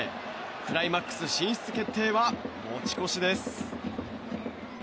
クライマックス進出決定は持ち越しです。